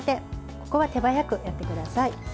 ここは手早くやってください。